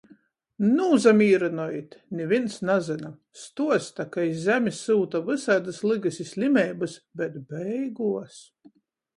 Nūsamīrynojit! Nivīns nazyna. Stuosta, ka iz zemi syuta vysaidys lygys i slimeibys, bet beiguos...